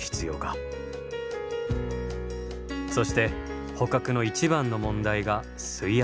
そして捕獲の一番の問題が水圧。